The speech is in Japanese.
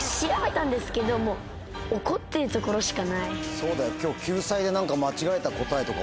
そうだよ今日。